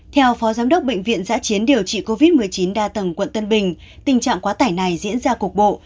theo phó giám đốc bệnh viện giã chiến điều trị covid một mươi chín đa tầng quận tân bình tình trạng quá tải này diễn ra cục bộ